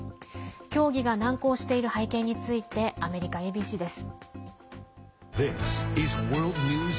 協議が難航している背景についてアメリカＡＢＣです。